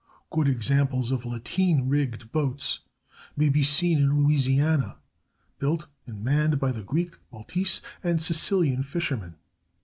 Good examples of lateen rigged boats may be seen in Louisiana, built and manned by the Greek, Maltese, and Sicilian fishermen.